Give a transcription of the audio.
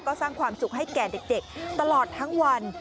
ก็สร้างความสุขให้แก่เด็กตลอดทั้งวัน